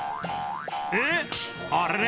えっあれれ？